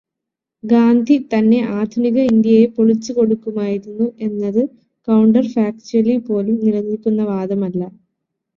ഗാന്ധി തന്നെ ആധുനിക ഇന്ത്യയെ പൊളിച്ചു കൊടുക്കുമായിരുന്നു എന്നത് കൗണ്ടര്-ഫാച്ച്വലി പോലും നിലനില്ക്കുന്ന വാദമല്ല.